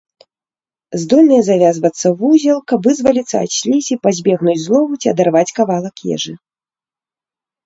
Здольныя завязвацца ў вузел, каб вызваліцца ад слізі, пазбегнуць злову, ці адарваць кавалак ежы.